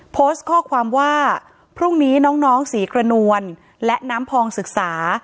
โพสต์ข้อความว่าพรุ่งนี้น้องศรีกระนวลและน้ำพองศึกษา